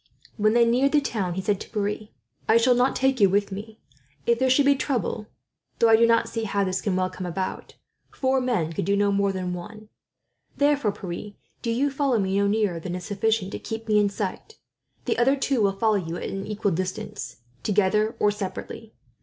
When they neared the town, he said to Pierre: "I shall not take you with me. If there should be trouble though I do not see how this can well come about four men could do no more than one. Therefore, Pierre, do you follow me no nearer than is sufficient to keep me in sight. The other two will follow you at an equal distance, together or separately.